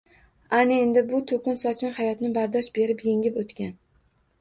Ana endi bu toʻkin sochin hayotni bardosh berib yengib oʻtgan